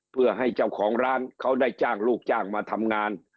เพื่อให้เจ้าของร้านเขาได้จ้างลูกจ้างมาทำงาน